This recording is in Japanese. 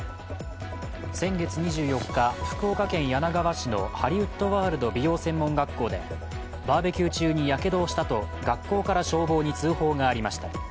先月２４日、福岡県柳川市のハリウッドワールド美容専門学校でバーベキュー中にやけどをしたと学校から消防に通報がありました。